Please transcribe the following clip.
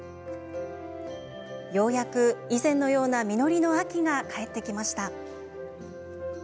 ようやく以前のような実りの秋が帰ってきました。